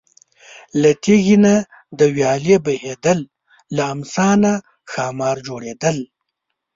له تیږې نه د ویالې بهیدل، له امسا نه ښامار جوړېدل.